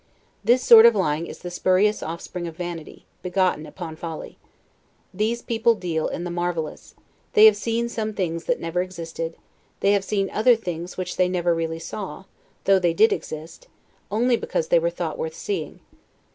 This sort of lying is the spurious offspring of vanity, begotten upon folly: these people deal in the marvelous; they have seen some things that never existed; they have seen other things which they never really saw, though they did exist, only because they were thought worth seeing.